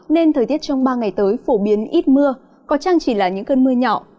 nên thời tiết trong ba ngày tới phổ biến ít mưa có chăng chỉ là những cơn mưa nhỏ